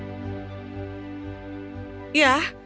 ya terbaik dan terkenal mungkin bukan hal yang sama